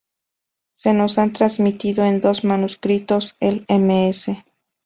Se nos ha transmitido en dos manuscritos, el ms.